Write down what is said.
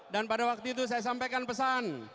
dan pada waktu itu saya sampaikan pesan